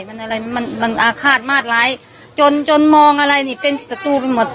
มันอะไรมันมันอาฆาตมาดร้ายจนจนมองอะไรนี่เป็นสตูไปหมด